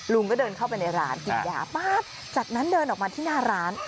ลุงก็เดินเข้าไปในร้านกินยาป๊าบจากนั้นเดินออกมาที่หน้าร้าน